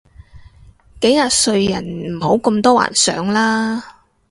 幾廿歲人唔好咁多幻想啦